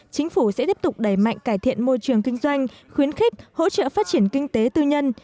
chính phủ sẽ tiếp tục đẩy mạnh cải thiện môi trường kinh doanh khuyến khích hỗ trợ phát triển kinh tế tư nhân